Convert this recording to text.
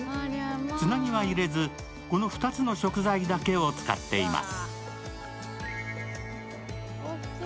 つなぎは入れず、この２つの食材だけを使っています。